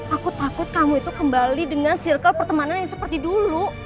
aku takut kamu itu kembali dengan circle pertemanan yang seperti dulu